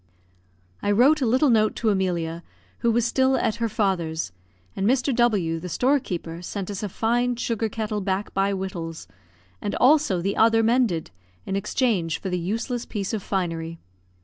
I wrote a little note to Emilia, who was still at her father's; and Mr. W , the storekeeper, sent us a fine sugar kettle back by Wittals, and also the other mended, in exchange for the useless piece of finery.